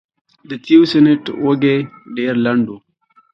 د تیوسینټ وږی ډېر لنډ و